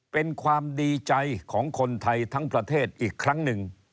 เป็นความดีใจของคนไทยทั้งประเทศอีกครั้งหนึ่ง